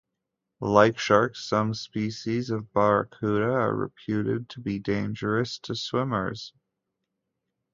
Like sharks, some species of barracuda are reputed to be dangerous to swimmers.